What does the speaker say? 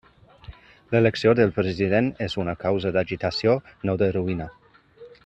L'elecció del president és una causa d'agitació, no de ruïna.